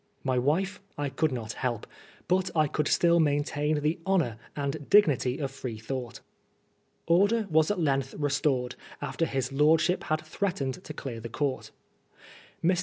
My wife I could not help, but I could still maintain the honor and dignity of Freethought. Order was at length restored after his lordship had threatened to clear the court. Mr.